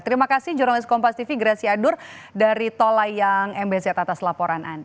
terima kasih jurnalis kompas tv gracia adur dari tola yang mbc atas laporan anda